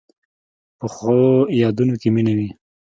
پخو یادونو کې مینه وي